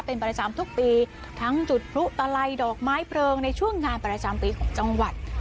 เป็นประจำทุกปีทั้งจุดพลุตะไลดอกไม้เพลิงในช่วงงานประจำปีของจังหวัด